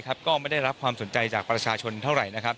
ก็ไม่ได้รับความสนใจจากประชาชนเท่าไหร่นะครับ